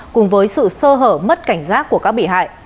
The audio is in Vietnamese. cùng với sự sơ hở mất cảnh giác của các bị hại